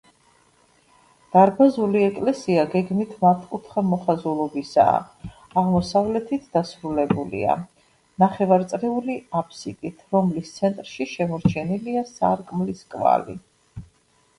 დარბაზული ეკლესია გეგმით მართკუთხა მოხაზულობისაა, აღმოსავლეთით დასრულებულია ნახევარწრიული აბსიდით, რომლის ცენტრში შემორჩენილია სარკმლის კვალი.